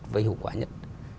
và hiệu quả nhất